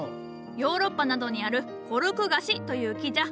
ヨーロッパなどにあるコルク樫という木じゃ。